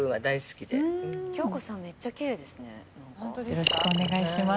よろしくお願いします。